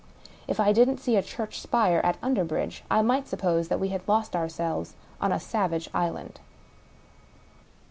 If I didn't see a church spire at Under bridge, I might suppose that we had lost ourselves on a savage island.